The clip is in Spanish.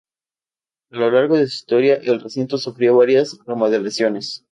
A lo largo de su historia el recinto sufrió varias remodelaciones.